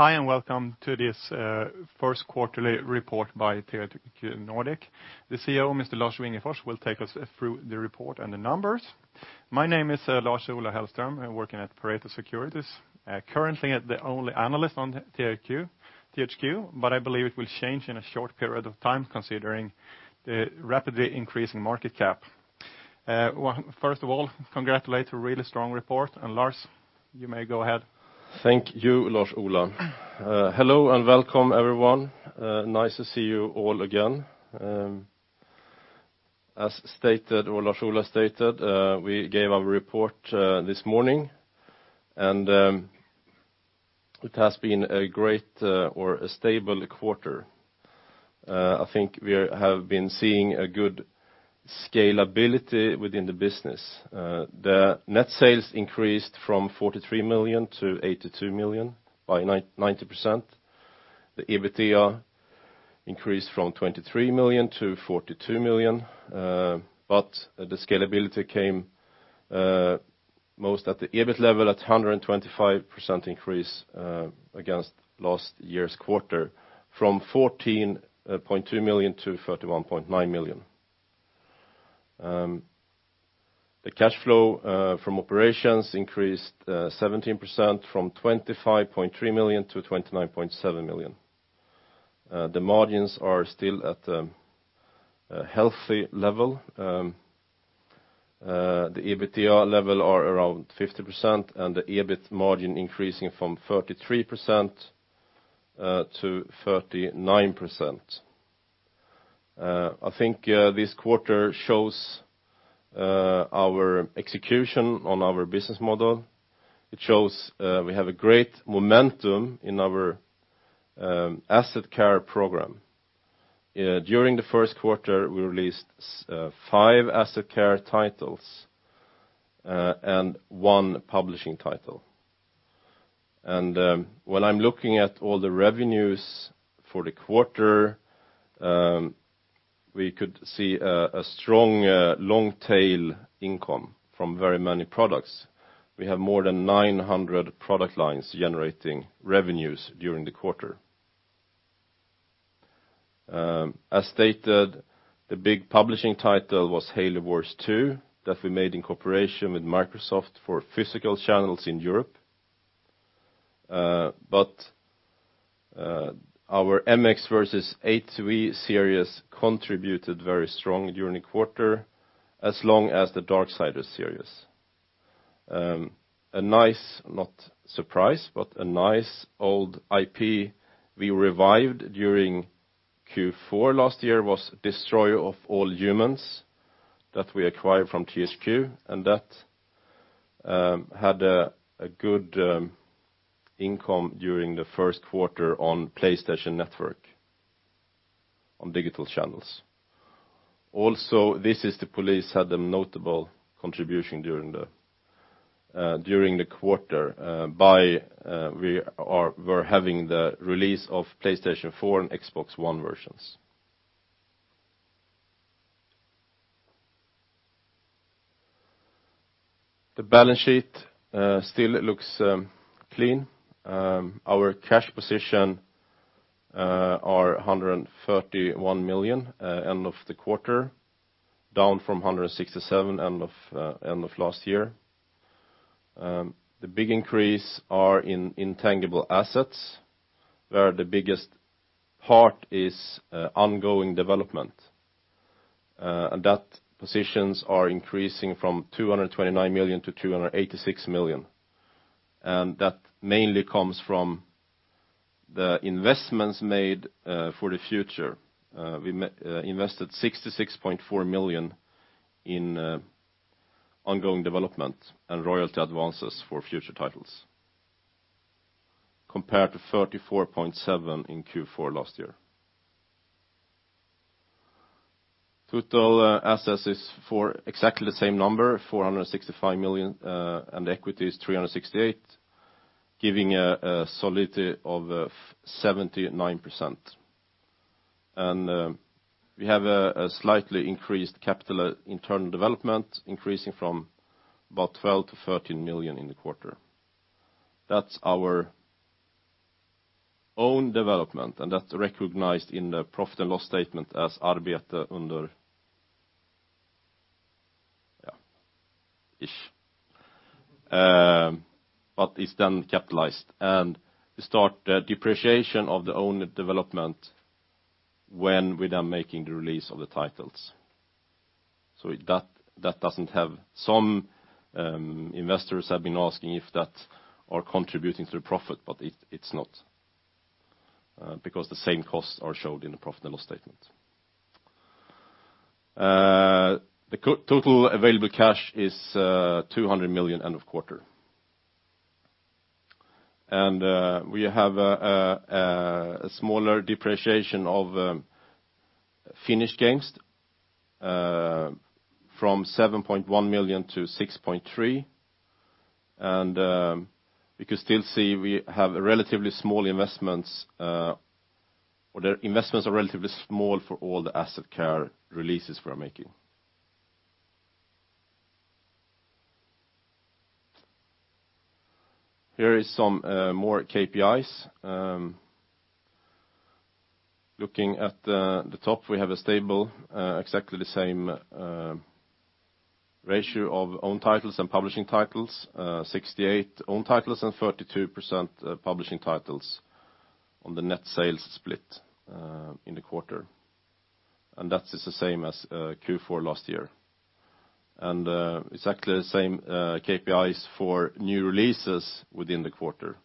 Hi, welcome to this first quarterly report by THQ Nordic. The CEO, Lars Wingefors, will take us through the report and the numbers. My name is Lars-Ola Hellström. I'm working at Pareto Securities. Currently the only analyst on THQ, but I believe it will change in a short period of time considering the rapidly increasing market cap. First of all, congratulate a really strong report, Lars, you may go ahead. Thank you, Lars-Ola. Hello and welcome, everyone. Nice to see you all again. As Lars-Ola stated, we gave our report this morning. It has been a great or a stable quarter. I think we have been seeing a good scalability within the business. The net sales increased from 43 million to 82 million by 90%. The EBITDA increased from 23 million to 42 million. The scalability came most at the EBIT level at 125% increase against last year's quarter from 14.2 million to 31.9 million. The cash flow from operations increased 17% from 25.3 million to 29.7 million. The margins are still at a healthy level. The EBITDA level are around 50%, and the EBIT margin increasing from 33% to 39%. I think this quarter shows our execution on our business model. It shows we have a great momentum in our Asset Care program. During the first quarter, we released five Asset Care titles, one publishing title. When I'm looking at all the revenues for the quarter, we could see a strong long tail income from very many products. We have more than 900 product lines generating revenues during the quarter. As stated, the big publishing title was "Halo Wars 2" that we made in cooperation with Microsoft for physical channels in Europe. Our "MX vs. ATV" series contributed very strong during the quarter as long as the "Darksiders" series. A nice, not surprise, but a nice old IP we revived during Q4 last year was "Destroy All Humans!" that we acquired from THQ. That had a good income during the first quarter on PlayStation Network on digital channels. Also, "This Is the Police" had a notable contribution during the quarter. We're having the release of PlayStation 4 and Xbox One versions. The balance sheet still looks clean. Our cash position are 131 million end of the quarter, down from 167 end of last year. The big increase are in intangible assets, where the biggest part is ongoing development. That positions are increasing from 229 million to 286 million. That mainly comes from the investments made for the future. We invested 66.4 million in ongoing development and royalty advances for future titles compared to 34.7 in Q4 last year. Total assets is for exactly the same number, 465 million. Equity is 368, giving a solidity of 79%. We have a slightly increased capital internal development increasing from about 12 million to 13 million in the quarter. That's our own development, and that's recognized in the profit and loss statement as "Arbete under." But it's then capitalized, and we start the depreciation of the own development when we're done making the release of the titles. Some investors have been asking if that are contributing to the profit, but it's not because the same costs are showed in the profit and loss statement. The total available cash is 200 million end of quarter. We have a smaller depreciation of finished games from 7.1 million to 6.3 million. We could still see we have a relatively small investments, or the investments are relatively small for all the Asset Care releases we're making. Here are some more KPIs. Looking at the top, we have a stable, exactly the same ratio of own titles and publishing titles, 68% own titles and 32% publishing titles on the net sales split in the quarter. That is the same as Q4 last year. Exactly the same KPIs for new releases within the quarter.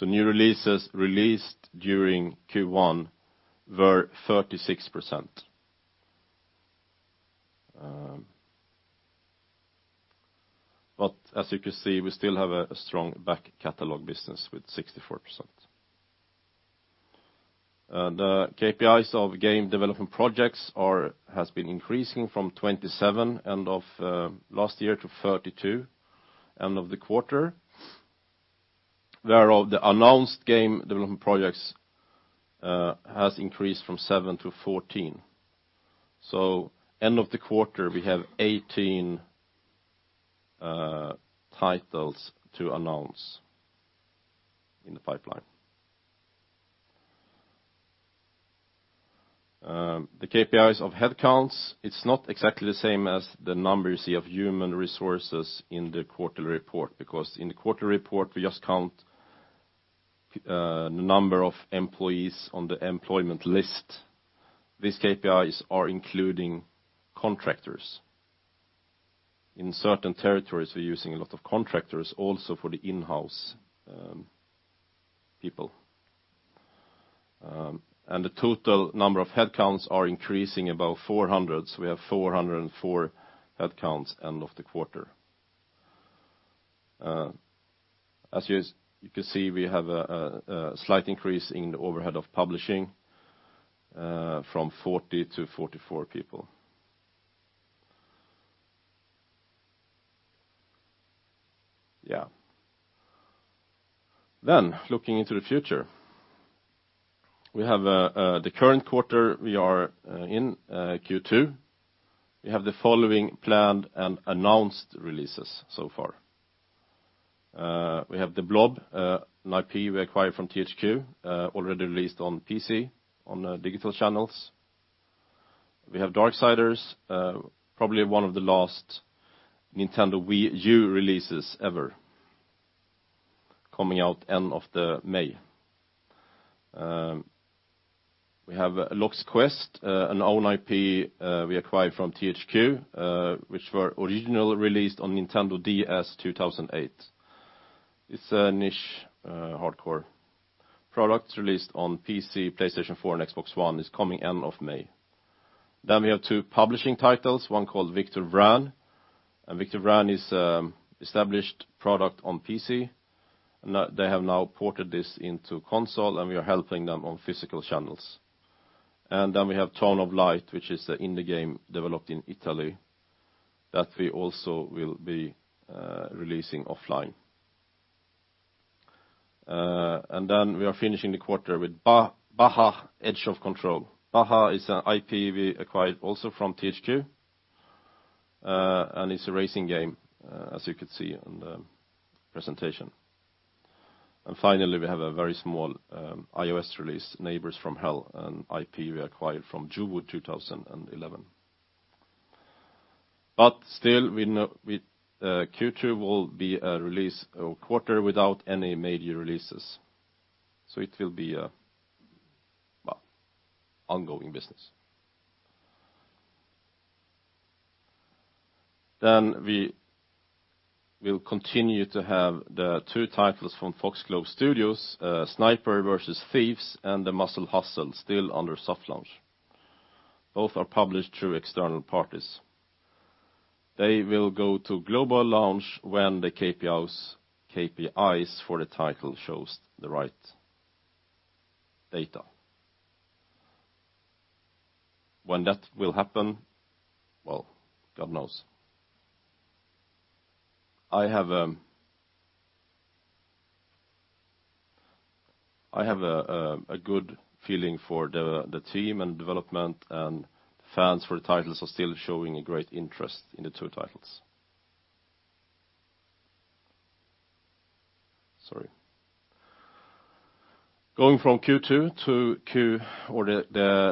New releases released during Q1 were 36%. But as you can see, we still have a strong back catalog business with 64%. The KPIs of game development projects has been increasing from 27 end of last year to 32 end of the quarter, where the announced game development projects has increased from seven to 14. So end of the quarter, we have 18 titles to announce in the pipeline. The KPIs of headcounts, it's not exactly the same as the numbers you see of human resources in the quarterly report, because in the quarterly report, we just count the number of employees on the employment list. These KPIs are including contractors. In certain territories, we're using a lot of contractors also for the in-house people. The total number of headcounts are increasing about 400. So we have 404 headcounts end of the quarter. As you can see, we have a slight increase in the overhead of publishing from 40 to 44 people. Looking into the future. We have the current quarter we are in Q2. We have the following planned and announced releases so far. We have de Blob, an IP we acquired from THQ, already released on PC on digital channels. We have Darksiders, probably one of the last Nintendo Wii U releases ever, coming out end of May. We have Lock's Quest, an own IP we acquired from THQ, which were originally released on Nintendo DS 2008. It's a niche hardcore product released on PC, PlayStation 4, and Xbox One, is coming end of May. We have two publishing titles, one called Victor Vran. Victor Vran is an established product on PC, and they have now ported this into console, and we are helping them on physical channels. We have The Town of Light, which is an indie game developed in Italy that we also will be releasing offline. We are finishing the quarter with Baja: Edge of Control. Baja is an IP we acquired also from THQ, and it's a racing game, as you could see in the presentation. Finally, we have a very small iOS release, Neighbours from Hell, an IP we acquired from JoWooD in 2011. But still, Q2 will be a quarter without any major releases. It will be an ongoing business. Then we will continue to have the two titles from Foxglove Studios, Snipers vs. Thieves and The Muscle Hustle still under soft launch. Both are published through external parties. They will go to global launch when the KPIs for the title shows the right data. When that will happen, well, God knows. I have a good feeling for the team and development, and fans for the titles are still showing a great interest in the two titles. Sorry. Going from Q2 to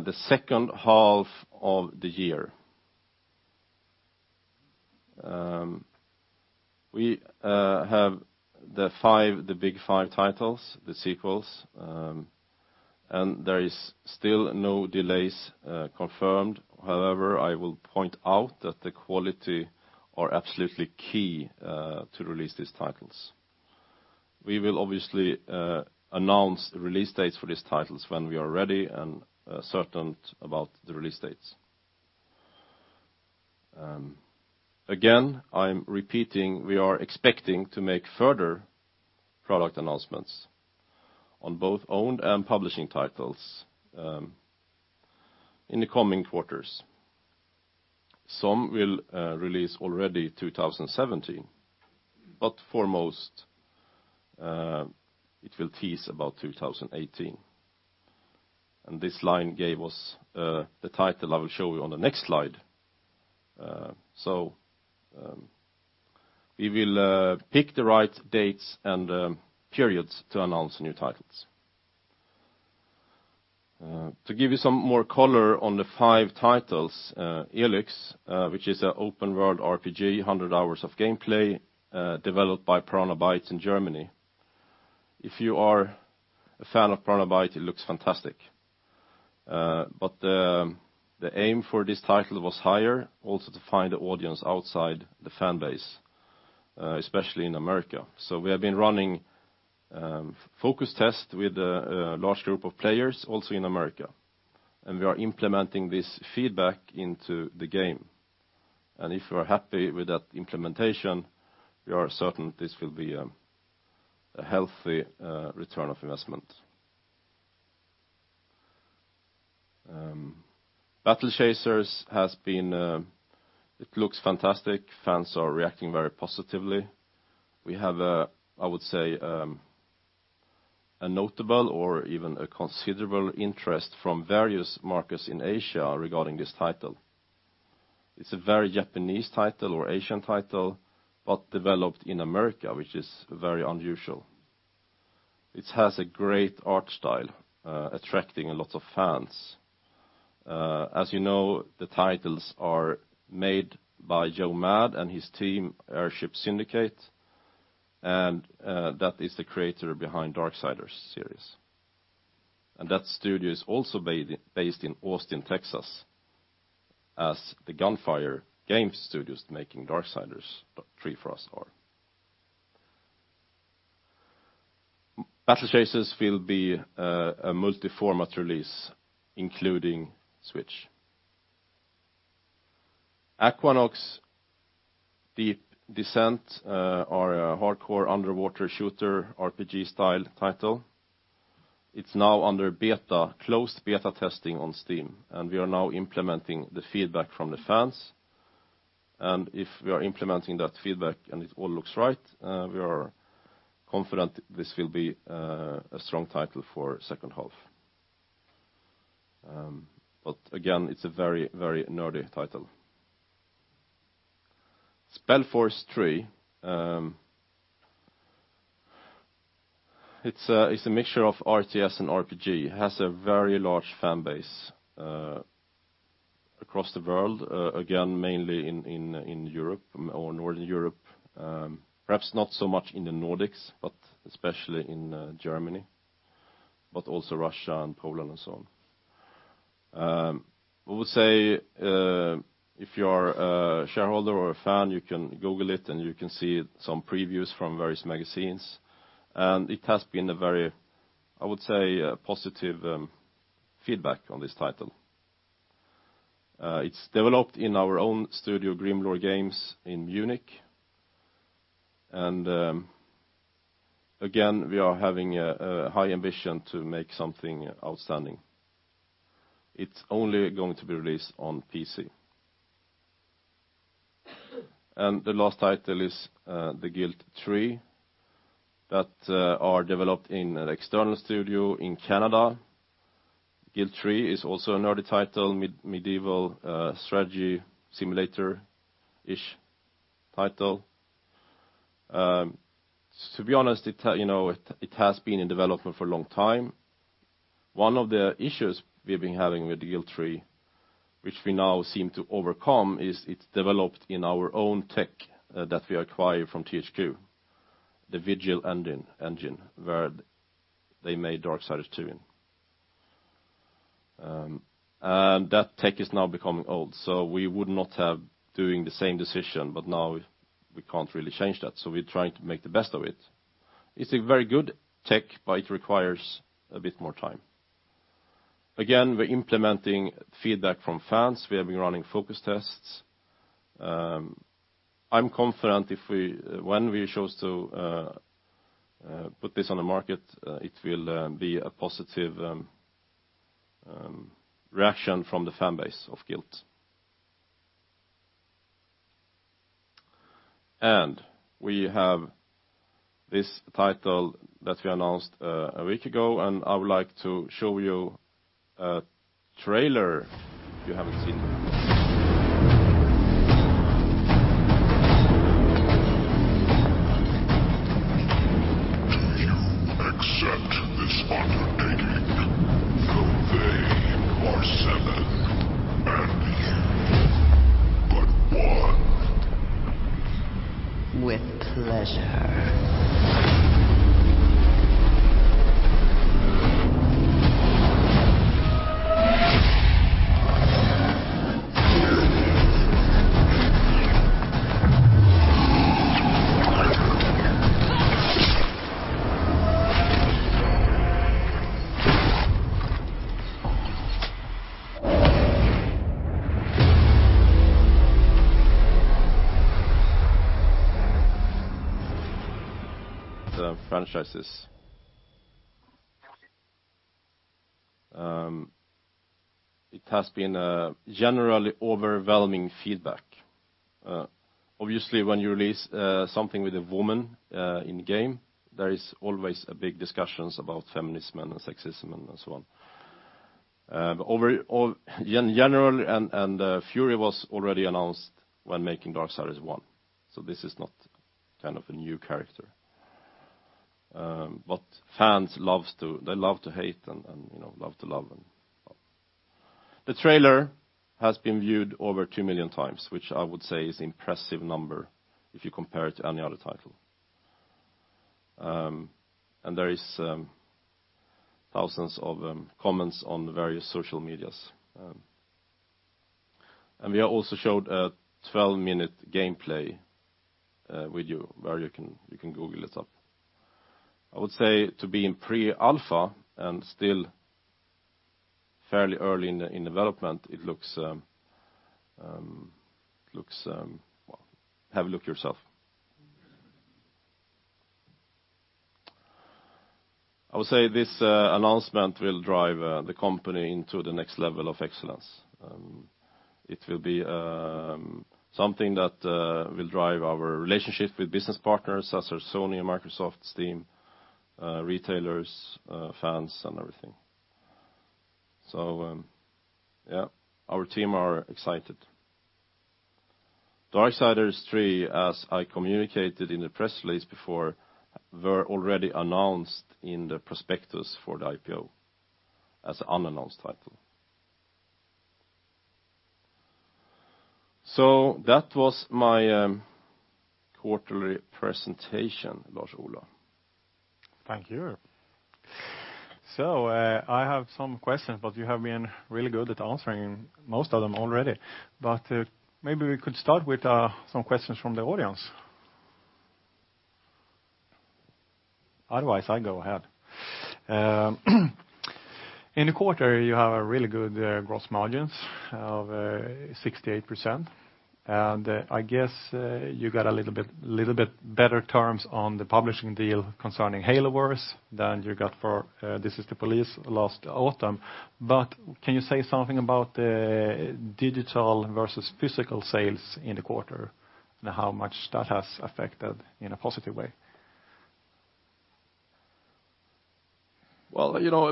the second half of the year. We have the big five titles, the sequels, and there is still no delays confirmed. I will point out that the quality are absolutely key to release these titles. We will obviously announce the release dates for these titles when we are ready and certain about the release dates. I'm repeating, we are expecting to make further product announcements on both owned and publishing titles in the coming quarters. Some will release already 2017, but for most, it will tease about 2018. This line gave us the title I will show you on the next slide. So we will pick the right dates and periods to announce new titles. To give you some more color on the five titles, ELEX, which is an open-world RPG, 100 hours of gameplay, developed by Piranha Bytes in Germany. If you are a fan of Piranha Bytes, it looks fantastic. The aim for this title was higher, also to find an audience outside the fan base, especially in America. So we have been running focus tests with a large group of players, also in America, and we are implementing this feedback into the game. And if we are happy with that implementation, we are certain this will be a healthy return of investment. Battle Chasers, it looks fantastic. Fans are reacting very positively. We have, I would say, a notable or even a considerable interest from various markets in Asia regarding this title. It's a very Japanese title or Asian title, but developed in America, which is very unusual. It has a great art style, attracting a lot of fans. As you know, the titles are made by Joe Mad and his team, Airship Syndicate, and that is the creator behind Darksiders series. That studio is also based in Austin, Texas, as the Gunfire Games making Darksiders III for us are. Battle Chasers will be a multi-format release, including Switch. Aquanox Deep Descent are a hardcore underwater shooter RPG-style title. It's now under closed beta testing on Steam, and we are now implementing the feedback from the fans. And if we are implementing that feedback and it all looks right, we are confident this will be a strong title for second half. But again, it's a very nerdy title. SpellForce 3, it's a mixture of RTS and RPG. It has a very large fan base across the world, again, mainly in Europe or Northern Europe. Perhaps not so much in the Nordics, but especially in Germany, but also Russia and Poland and so on. I would say if you are a shareholder or a fan, you can Google it and you can see some previews from various magazines. It has been a very, I would say, positive feedback on this title. It's developed in our own studio, Grimlore Games, in Munich. Again, we are having a high ambition to make something outstanding. It's only going to be released on PC. The last title is The Guild 3, that are developed in an external studio in Canada. The Guild 3 is also a nerdy title, medieval strategy simulator-ish title. To be honest, it has been in development for a long time. One of the issues we've been having with The Guild 3, which we now seem to overcome, is it's developed in our own tech that we acquired from THQ, the Vigil engine, where they made Darksiders II. That tech is now becoming old, we would not have doing the same decision, now we can't really change that. We're trying to make the best of it. It's a very good tech, but it requires a bit more time. Again, we're implementing feedback from fans. We have been running focus tests. I'm confident when we choose to put this on the market, it will be a positive reaction from the fan base of Guild. We have this title that we announced a week ago, I would like to show you a trailer if you haven't seen it. Do you accept this undertaking? Though they are seven, you but one. With pleasure. Franchises. It has been a generally overwhelming feedback. Obviously, when you release something with a woman in the game, there is always a big discussions about feminism and sexism and so on. In general, Fury was already announced when making Darksiders I, so this is not a new character. Fans love to hate and love to love them. The trailer has been viewed over 2 million times, which I would say is impressive number if you compare it to any other title. There is thousands of comments on the various social medias. We have also showed a 12-minute gameplay video, where you can Google it up. I would say to be in pre-alpha and still fairly early in development, it looks. Well, have a look yourself. I would say this announcement will drive the company into the next level of excellence. It will be something that will drive our relationships with business partners such as Sony and Microsoft, Steam, retailers, fans, and everything. Our team are excited. Darksiders III, as I communicated in the press release before, were already announced in the prospectus for the IPO as unannounced title. That was my quarterly presentation, Lars-Ola. Thank you. I have some questions, but you have been really good at answering most of them already. Maybe we could start with some questions from the audience. Otherwise, I go ahead. In the quarter, you have a really good gross margins of 68%, and I guess you got a little bit better terms on the publishing deal concerning Halo Wars 2 than you got for This Is the Police last autumn. Can you say something about the digital versus physical sales in the quarter and how much that has affected in a positive way?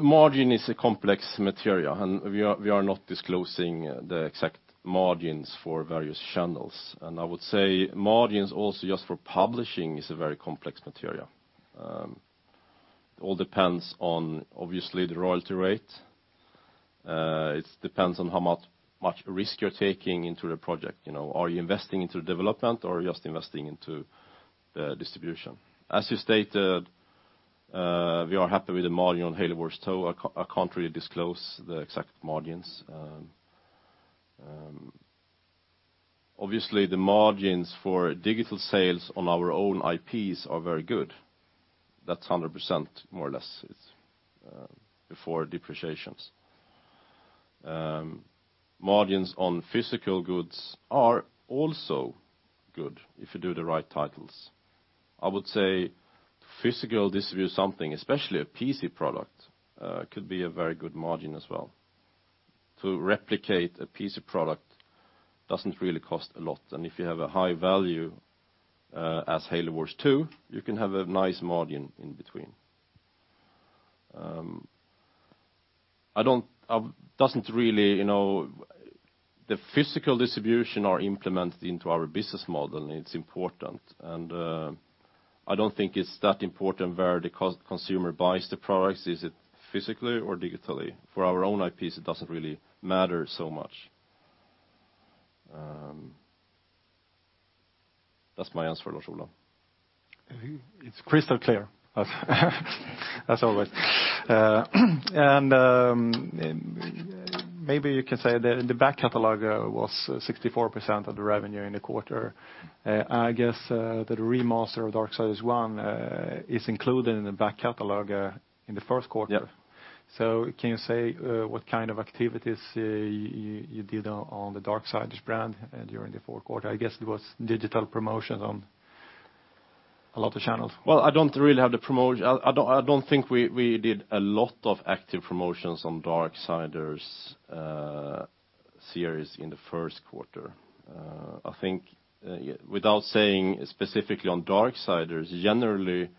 Margin is a complex material, and we are not disclosing the exact margins for various channels. I would say margins also just for publishing is a very complex material. It all depends on, obviously, the royalty rate. It depends on how much risk you're taking into the project. Are you investing into development or just investing into distribution? As you stated, we are happy with the margin on Halo Wars 2. I can't really disclose the exact margins. Obviously, the margins for digital sales on our own IPs are very good. That's 100%, more or less, before depreciations. Margins on physical goods are also good if you do the right titles. I would say physical distribute something, especially a PC product, could be a very good margin as well. To replicate a PC product doesn't really cost a lot, and if you have a high value, as Halo Wars 2, you can have a nice margin in between. The physical distribution are implemented into our business model, and it's important. I don't think it's that important where the consumer buys the products. Is it physically or digitally? For our own IPs, it doesn't really matter so much. That's my answer, Lars-Ola. It's crystal clear as always. Maybe you can say the back catalog was 64% of the revenue in the quarter. I guess that the remaster of Darksiders I is included in the back catalog in the first quarter. Yep. Can you say what kind of activities you did on the Darksiders brand during the fourth quarter? I guess it was digital promotions on a lot of channels. Well, I don't think we did a lot of active promotions on Darksiders series in the first quarter. I think, without saying specifically on Darksiders, generally,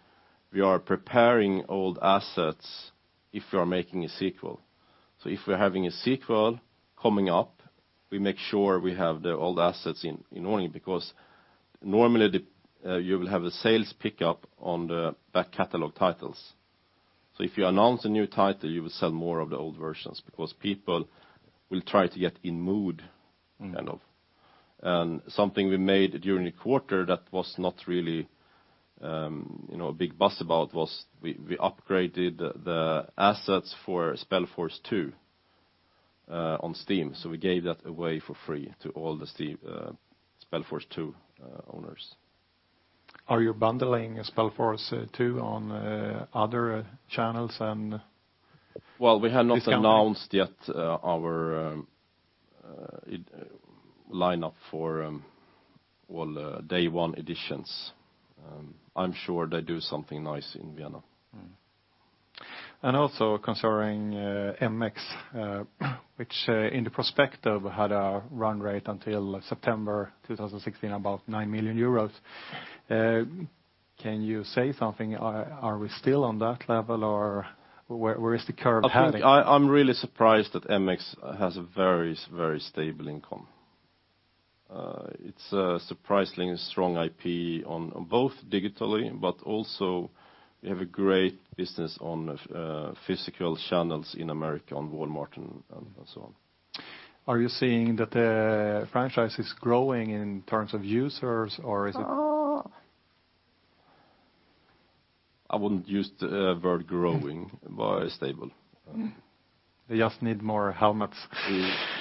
we are preparing old assets if we are making a sequel. If we're having a sequel coming up, we make sure we have the old assets in order because normally, you will have a sales pickup on the back catalog titles. If you announce a new title, you will sell more of the old versions because people will try to get in mood. Something we made during the quarter that was not really a big buzz about was we upgraded the assets for SpellForce 2 on Steam. We gave that away for free to all the Steam SpellForce 2 owners. Are you bundling SpellForce 2 on other channels and this company? We have not announced yet our lineup for day one editions. I'm sure they do something nice in Vienna. Also concerning MX, which in the prospective had a run rate until September 2016, about 9 million euros. Can you say something? Are we still on that level, or where is the curve heading? I'm really surprised that MX has a very stable income. It's a surprisingly strong IP on both digitally, but also we have a great business on physical channels in America, on Walmart and so on. Are you seeing that the franchise is growing in terms of users, or is it? I wouldn't use the word growing, but stable. They just need more helmets.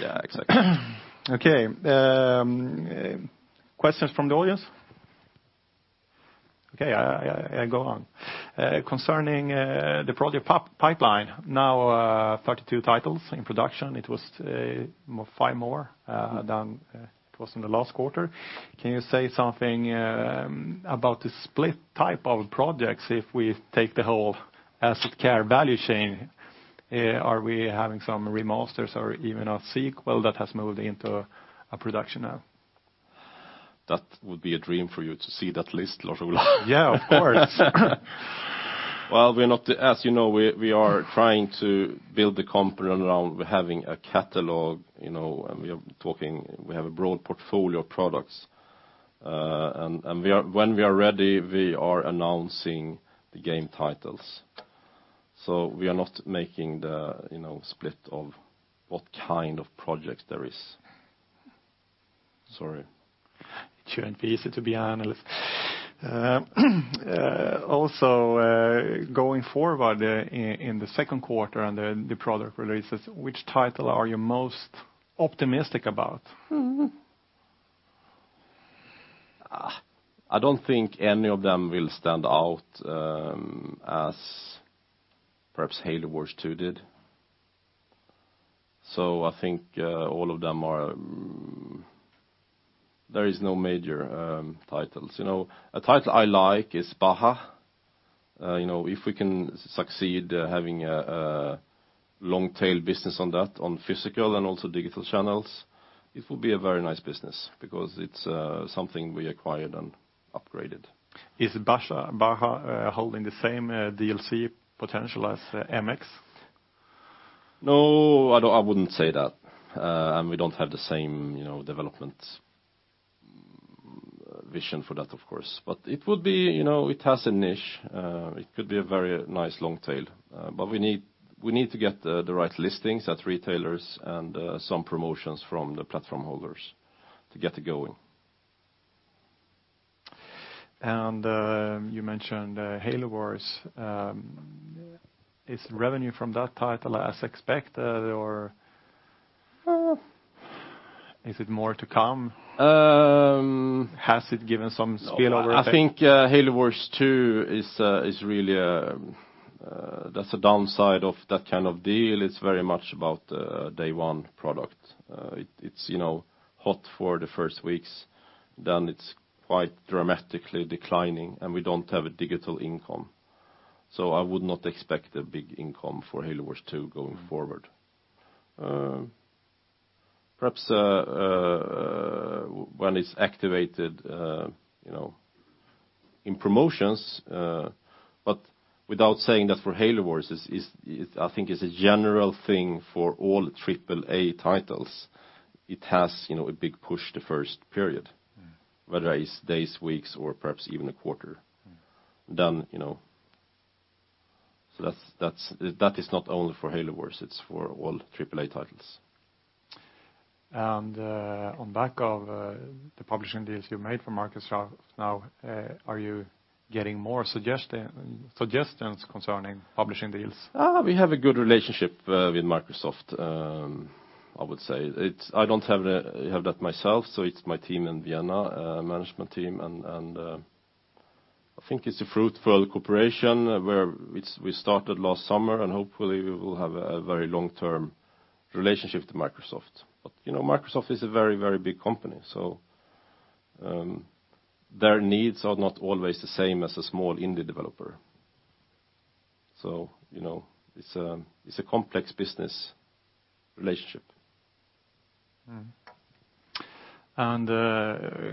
Yeah, exactly. Okay. Questions from the audience? Okay, I go on. Concerning the project pipeline, now 32 titles in production. It was five more than it was in the last quarter. Can you say something about the split type of projects if we take the whole Asset Care value chain? Are we having some remasters or even a sequel that has moved into a production now? That would be a dream for you to see that list, Lars-Ola. Yeah, of course. Well, as you know, we are trying to build the company around having a catalog, and we have a broad portfolio of products. When we are ready, we are announcing the game titles. We are not making the split of what kind of projects there is. Sorry. It shouldn't be easy to be an analyst. Also, going forward in the second quarter and the product releases, which title are you most optimistic about? I don't think any of them will stand out as perhaps "Halo Wars 2" did. There is no major titles. A title I like is "Baja". If we can succeed having a long tail business on that, on physical and also digital channels, it will be a very nice business because it's something we acquired and upgraded. Is "Baja" holding the same DLC potential as "MX"? No, I wouldn't say that. We don't have the same development vision for that, of course. It has a niche. It could be a very nice long tail. We need to get the right listings at retailers and some promotions from the platform holders to get it going. You mentioned "Halo Wars". Is revenue from that title as expected, or is it more to come? Has it given some spillover effect? I think "Halo Wars 2" is really a downside of that kind of deal. It's very much about day one product. It's hot for the first weeks, then it's quite dramatically declining, and we don't have a digital income. I would not expect a big income for "Halo Wars 2" going forward. Perhaps when it's activated in promotions, without saying that for "Halo Wars," I think it's a general thing for all triple A titles. It has a big push the first period. Whether it's days, weeks, or perhaps even a quarter. That is not only for "Halo Wars," it's for all triple A titles. On back of the publishing deals you made for Microsoft now, are you getting more suggestions concerning publishing deals? We have a good relationship with Microsoft, I would say. I don't have that myself, so it's my team in Vienna, management team, and I think it's a fruitful cooperation where we started last summer, and hopefully we will have a very long-term relationship with Microsoft. Microsoft is a very big company, so their needs are not always the same as a small indie developer. It's a complex business relationship. Going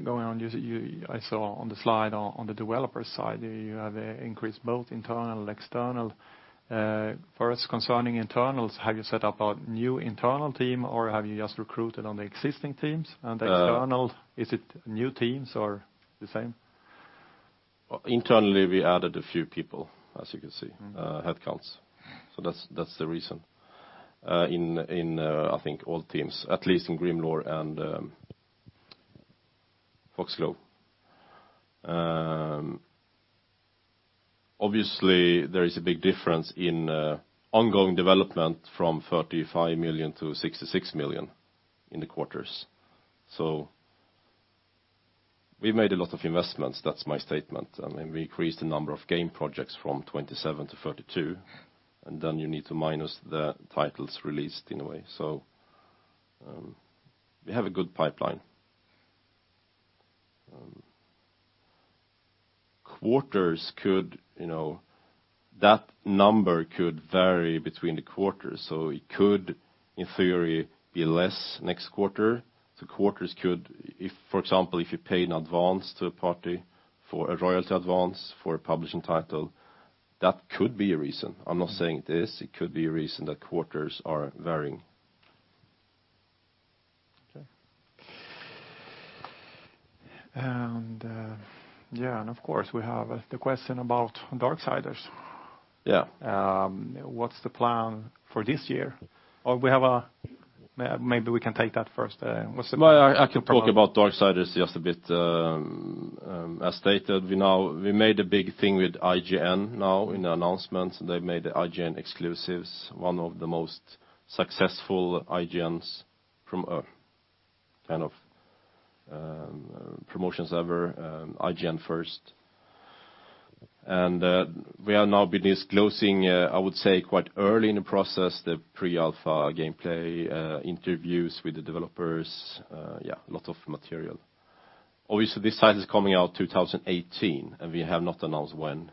on, I saw on the slide on the developer side, you have increased both internal and external. For us concerning internals, have you set up a new internal team or have you just recruited on the existing teams? External, is it new teams or the same? Internally, we added a few people, as you can see, headcounts. That's the reason. I think all teams, at least in Grimlore and Foxglove. Obviously, there is a big difference in ongoing development from 35 million to 66 million in the quarters. We made a lot of investments, that's my statement. I mean, we increased the number of game projects from 27 to 32, and then you need to minus the titles released in a way. We have a good pipeline. That number could vary between the quarters. It could, in theory, be less next quarter. For example, if you pay in advance to a party for a royalty advance for a publishing title, that could be a reason. I'm not saying it is. It could be a reason that quarters are varying. Okay. Yeah. Of course, we have the question about Darksiders. Yeah. What's the plan for this year? Maybe we can take that first. I can talk about Darksiders just a bit. As stated, we made a big thing with IGN now in the announcements, and they made the IGN exclusives one of the most successful IGN's from a kind of promotions ever, IGN First. We are now be disclosing, I would say quite early in the process, the pre-alpha gameplay, interviews with the developers. A lot of material. Obviously, this title is coming out 2018, and we have not announced when.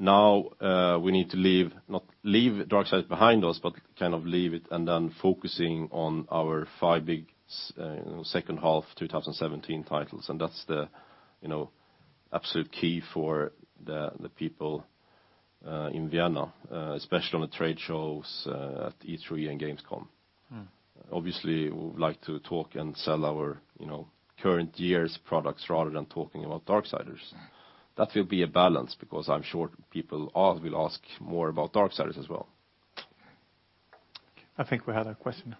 Now, we need to leave, not leave Darksiders behind us, but kind of leave it and then focusing on our five big second half 2017 titles, and that's the absolute key for the people in Vienna, especially on the trade shows at E3 and Gamescom. Obviously, we would like to talk and sell our current year's products rather than talking about Darksiders. That will be a balance because I'm sure people will ask more about Darksiders as well. I think we had a question.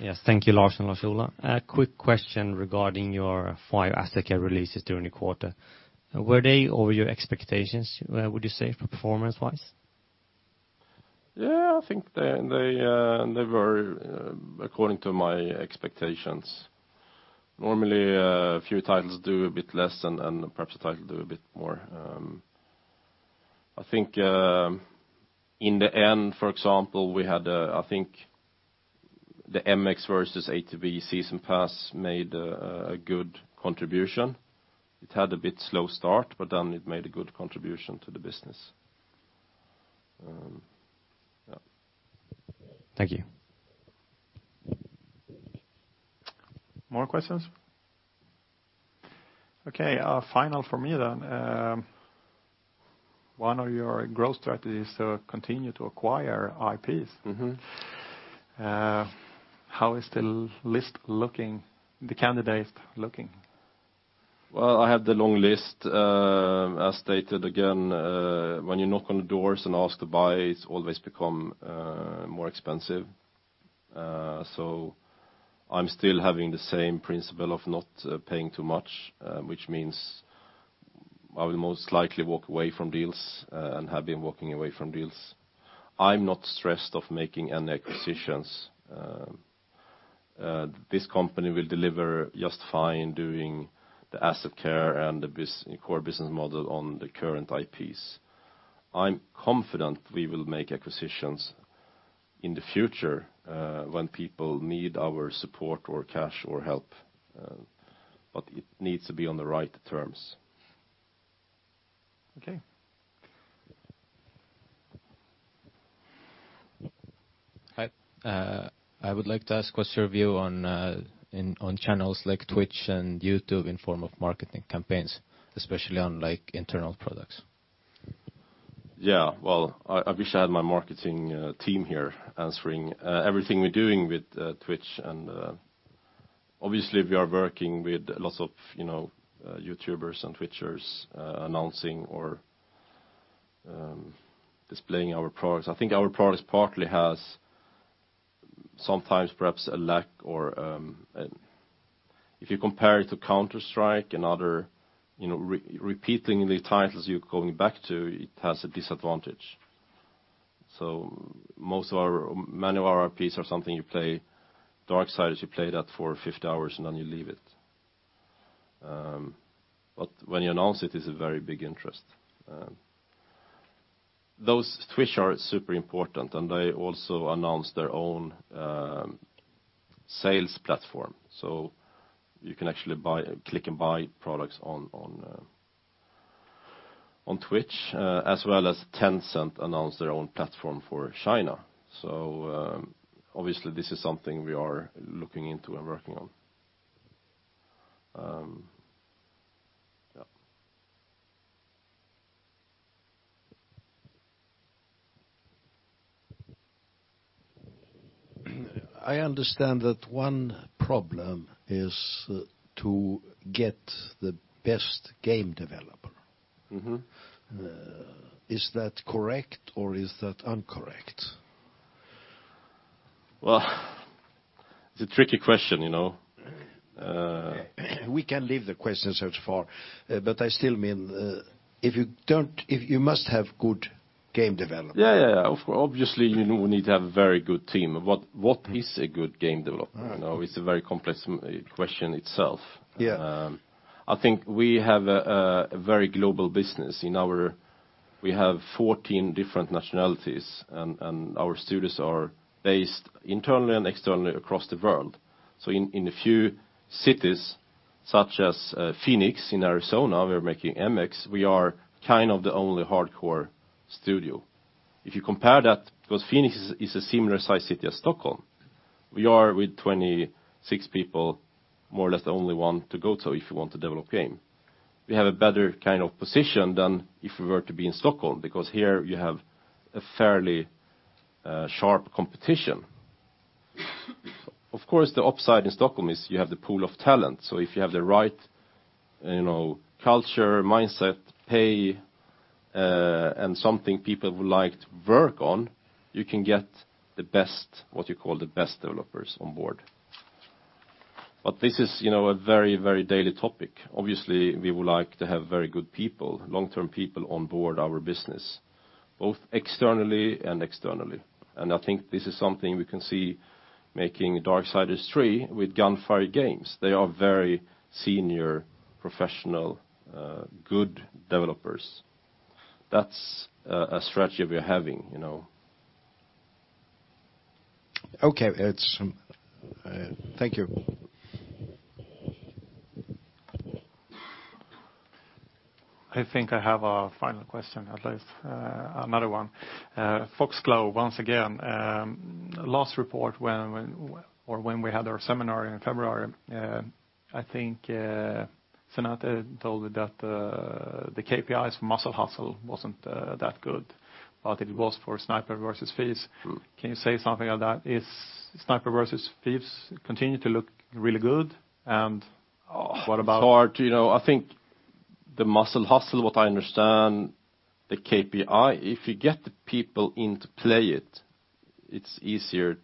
Yes. Thank you, Lars and Lasse Juhl. A quick question regarding your five Asset Care releases during the quarter. Were they over your expectations, would you say, performance-wise? I think they were according to my expectations. Normally, a few titles do a bit less and perhaps a title do a bit more. I think in the end, for example, we had, I think the MX vs. ATV season pass made a good contribution. It had a bit slow start, but then it made a good contribution to the business. Thank you. More questions? Okay, final from me then. One of your growth strategies to continue to acquire IPs. How is the list looking, the candidates looking? Well, I have the long list. As stated again, when you knock on the doors and ask to buy, it's always become more expensive. I'm still having the same principle of not paying too much, which means I will most likely walk away from deals and have been walking away from deals. I'm not stressed of making any acquisitions. This company will deliver just fine doing the Asset Care and the core business model on the current IPs. I'm confident we will make acquisitions in the future when people need our support or cash or help, but it needs to be on the right terms. Okay. Hi. I would like to ask what's your view on channels like Twitch and YouTube in form of marketing campaigns, especially on internal products? Yeah, well, I wish I had my marketing team here answering. Everything we're doing with Twitch and obviously we are working with lots of YouTubers and Twitchers announcing or displaying our products. I think our products partly has sometimes perhaps a lack or if you compare it to Counter-Strike. Repeating the titles you're going back to, it has a disadvantage. Many of our IPs are something you play. Darksiders, you play that for 50 hours and then you leave it. When you announce it's a very big interest. Those Twitch are super important, and they also announced their own sales platform. You can actually click and buy products on Twitch, as well as Tencent announced their own platform for China. Obviously this is something we are looking into and working on. Yeah. I understand that one problem is to get the best game developer. Is that correct or is that incorrect? Well, it's a tricky question. We can leave the question so far, I still mean you must have good game development. Yeah. Obviously, we need to have a very good team. What is a good game developer? It's a very complex question itself. Yeah. I think we have a very global business in our We have 14 different nationalities, and our studios are based internally and externally across the world. In a few cities, such as Phoenix in Arizona, we are making MX, we are kind of the only hardcore studio. If you compare that, because Phoenix is a similar size city as Stockholm, we are with 26 people, more or less the only one to go to if you want to develop game. We have a better position than if we were to be in Stockholm, because here you have a fairly sharp competition. Of course, the upside in Stockholm is you have the pool of talent. If you have the right culture, mindset, pay, and something people would like to work on, you can get what you call the best developers on board. This is a very daily topic. We would like to have very good people, long-term people on board our business, both internally and externally. I think this is something we can see making "Darksiders III" with Gunfire Games. They are very senior professional good developers. That's a strategy we are having. Okay. Thank you. I think I have a final question, at least another one. Foxglove, once again, last report or when we had our seminar in February, I think Sonata told that the KPIs for "The Muscle Hustle" wasn't that good, but it was for "Snipers vs. Thieves." Can you say something on that? Is "Snipers vs. Thieves" continue to look really good? It's hard. I think "The Muscle Hustle", what I understand the KPI, if you get the people in to play it's easier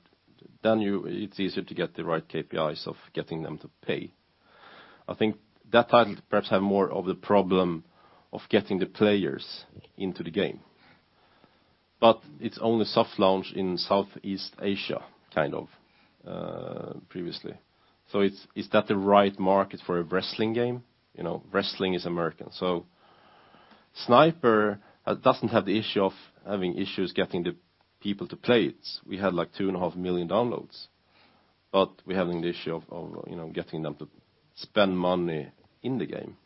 to get the right KPIs of getting them to pay. I think that title perhaps have more of the problem of getting the players into the game. It's only soft launch in Southeast Asia previously. Is that the right market for a wrestling game? Wrestling is American. "Sniper" doesn't have the issue of having issues getting the people to play it. We had two and a half million downloads, we're having the issue of getting them to spend money in the game.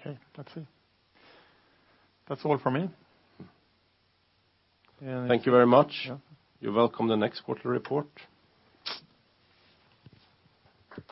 Okay. That's it. That's all from me. Thank you very much. You're welcome the next quarterly report.